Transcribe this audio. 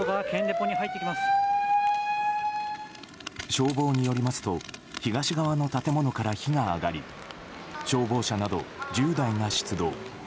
消防によりますと東側の建物から火が上がり消防車など１０台が出動。